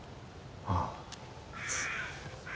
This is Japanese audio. ああ。